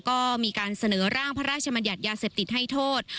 ก็มีการเสนอร่างพระราชมัญญัติยาเสพติดให้โทษ